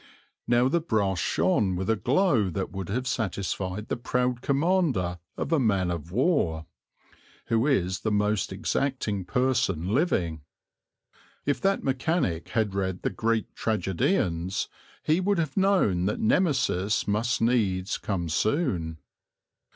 Now the brass shone with a glow that would have satisfied the proud commander of a man of war, who is the most exacting person living. If that mechanic had read the Greek tragedians he would have known that Nemesis must needs come soon.